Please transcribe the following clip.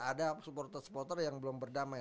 ada supporter supporter yang belum berdamai